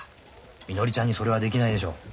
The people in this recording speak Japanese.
みのりちゃんにそれはできないでしょう。